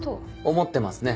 思ってますね